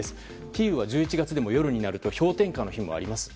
キーウは１１月でも夜になると氷点下の日もあります。